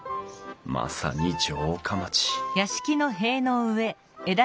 まさに城下町！